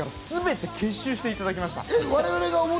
まさに全て結集していただきました。